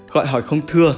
gọi hỏi không thưa